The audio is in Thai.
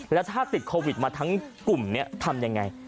แล้วถ้าติดโควิดมาทั้งกลุ่มนี้ทำยังไง